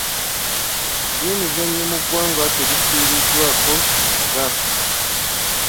Ebyemizannyo mu ggwanga tebifiiriddwako kimala.